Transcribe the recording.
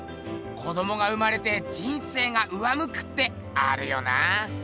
子どもが生まれて人生が上むくってあるよな。